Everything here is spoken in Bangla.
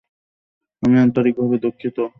আমি আন্তরিকভাবে দুঃখিত।